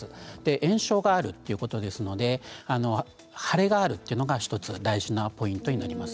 炎症があるということですので腫れがあるというのが１つ大事なポイントになります。